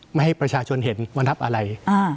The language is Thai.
ไม่ให้ประชาชนเห็นวันทับอะไร